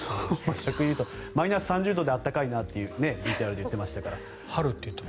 逆に言うとマイナス３０度で暖かいなってＶＴＲで言っていましたから。